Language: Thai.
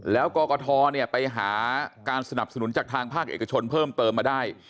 แล้วกรกฐไปหาการสนับสนุนจากทางภาคเอกชนเพิ่มเติมมาได้